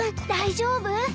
大丈夫？